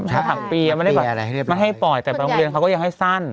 มัดถักเปรียมัดให้ปล่อยแต่บางโรงเรียนเขาก็ยังให้สั้น